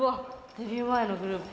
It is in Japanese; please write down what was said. デビュー前のグループ。